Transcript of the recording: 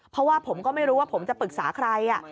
เพราะว่าผมก็ไม่รู้ว่าผมจะปรึกษาใคร